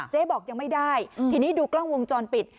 เจ๊บอกยังไม่ได้อืมที่นี่ดูกล้องวงจรปิด